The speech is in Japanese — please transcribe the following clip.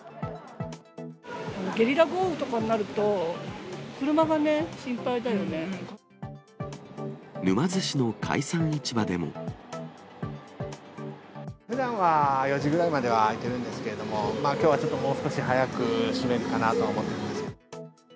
ゲリラ豪雨とかになると、車がね、心配だよね。ふだんは４時ぐらいまでは開いてるんですけれども、きょうはちょっともう少し早く閉めるかなと思ってます。